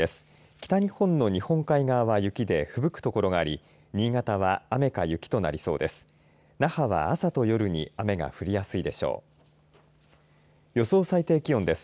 北日本の日本海側は雪でふぶく所があり新潟は、雨か雪となりそうです。